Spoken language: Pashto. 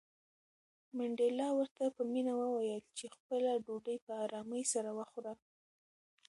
منډېلا ورته په مینه وویل چې خپله ډوډۍ په آرامۍ سره وخوره.